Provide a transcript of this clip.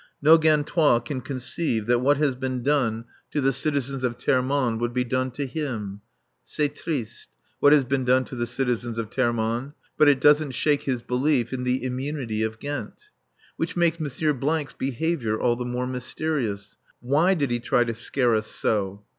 No Gantois can conceive that what has been done to the citizens of Termonde would be done to him. C'est triste what has been done to the citizens of Termonde, but it doesn't shake his belief in the immunity of Ghent. Which makes M. 's behaviour all the more mysterious. Why did he try to scare us so?